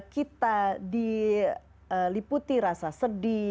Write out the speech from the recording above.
kita diliputi rasa sedih